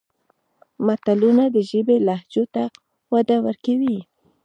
متلونه د ژبې لهجو ته وده ورکوي